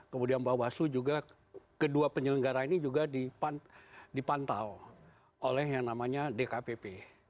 kemudian bawaslu juga kedua penyelenggara ini juga dipantau oleh yang namanya dkpp